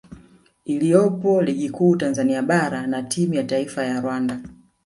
iliyopo Ligi Kuu Tanzania Bara na timu ya taifa ya Rwanda